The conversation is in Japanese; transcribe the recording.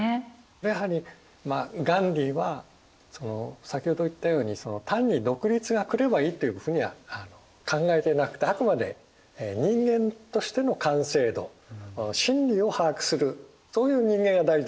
やはりガンディーは先ほど言ったように単に独立がくればいいというふうには考えてなくてあくまで人間としての完成度真理を把握するそういう人間が大事だと。